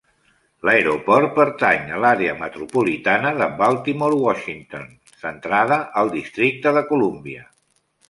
L'aeroport pertany a l'àrea metropolitana de Baltimore-Washington, centrada al districte de Columbia.